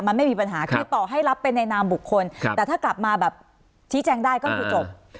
มันไม่มีปัญหาคือต่อให้รับไปในนามบุคคลแต่ถ้ากลับมาแบบชี้แจงได้ก็คือจบ